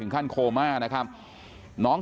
พี่สาวของเธอบอกว่ามันเกิดอะไรขึ้นกับพี่สาวของเธอ